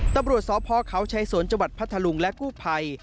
ตำรวจทรพเขาชัยสนจพัทธลุงและกู้ภัย